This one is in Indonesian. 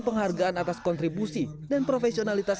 penghargaan atas kontribusi dan profesionalitas